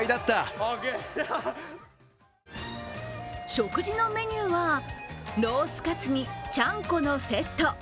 食事のメニューはロースカツにちゃんこのセット。